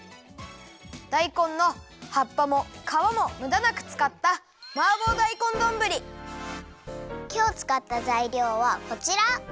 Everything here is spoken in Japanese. だいこんの葉っぱもかわもむだなくつかったきょうつかったざいりょうはこちら。